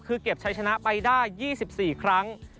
คือเก็บชัยชนะไปได้๒๔ครั้ง